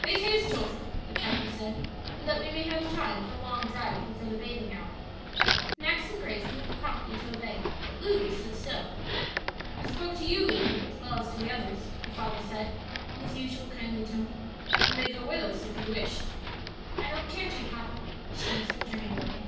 "Make haste, children," the captain said, "so that we may have time for a long drive before the bathing hour." Max and Grace moved promptly to obey, but Lulu stood still. "I spoke to you, Lulu, as well as to the others," her father said, in his usual kindly tone; "you may go with us, if you wish." "I don't care to, papa," she answered, turning away.